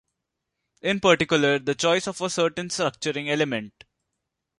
In particular, the choice of a certain structuring element.